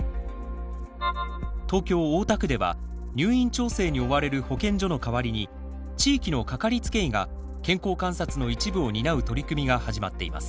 東京・大田区では入院調整に追われる保健所の代わりに地域のかかりつけ医が健康観察の一部を担う取り組みが始まっています。